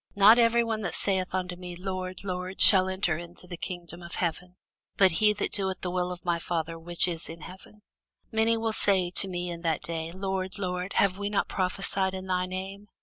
Not every one that saith unto me, Lord, Lord, shall enter into the kingdom of heaven; but he that doeth the will of my Father which is in heaven. Many will say to me in that day, Lord, Lord, have we not prophesied in thy name?